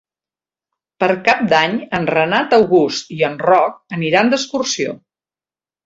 Per Cap d'Any en Renat August i en Roc aniran d'excursió.